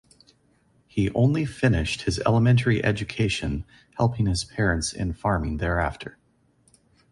He only finished his elementary education helping his parents in farming thereafter.